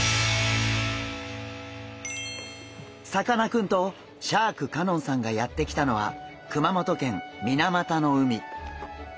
さかなクンとシャーク香音さんがやって来たのは熊本県水俣の海。